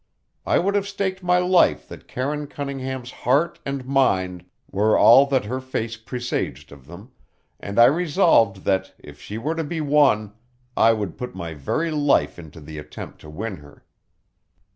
I would have staked my life that Karine Cunningham's heart and mind were all that her face presaged of them, and I resolved that, if she were to be won, I would put my very life into the attempt to win her.